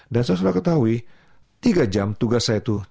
dan saya sudah ketahui tiga jam tugas saya itu